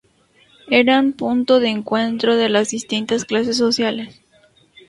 Eran punto de encuentro de las distintas clases sociales.